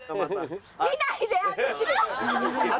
見ないで淳！